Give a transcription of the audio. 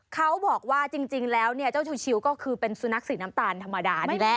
เขาบอกว่าจริงแล้วเนี่ยเจ้าชิวก็คือเป็นสุนัขสีน้ำตาลธรรมดานี่แหละ